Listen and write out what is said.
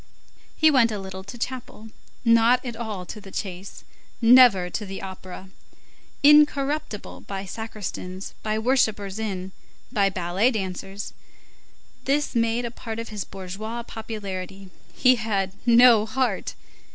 He went a little to chapel, not at all to the chase, never to the opera. Incorruptible by sacristans, by whippers in, by ballet dancers; this made a part of his bourgeois popularity. He had no heart.